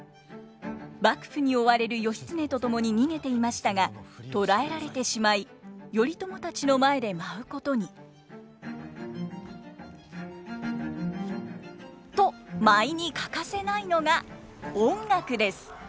幕府に追われる義経と共に逃げていましたが捕らえられてしまい頼朝たちの前で舞うことに。と舞に欠かせないのが音楽です。